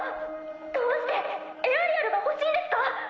どうしてエアリアルが欲しいんですか？